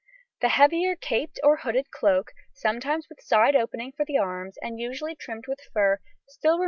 The heavier caped or hooded cloak, sometimes with side opening for the arms, and usually trimmed with fur, still remained in use to 1800.